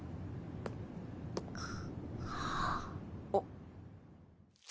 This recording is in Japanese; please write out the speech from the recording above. あっ。